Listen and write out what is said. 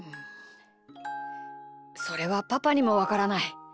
それはパパにもわからない。